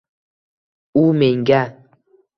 U menga